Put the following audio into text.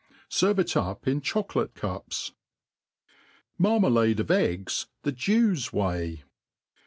Serve it up in cho p COlate cups. Marmalade of Eggs the Jews Way.